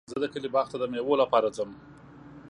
زه د کلي باغ ته د مېوو لپاره ځم.